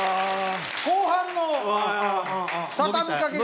後半の畳みかけが。